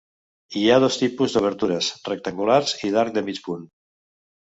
Hi ha dos tipus d'obertures: rectangulars i d'arc de mig punt.